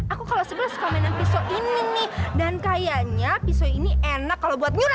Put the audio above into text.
aku kalo sebel suka mainan pisau ini nih dan kayaknya pisau ini enak kalo buat nyurut